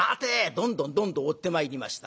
どんどんどんどん追ってまいりました。